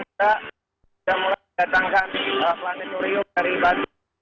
kita sudah mulai mendatangkan planet nuriuk dari batu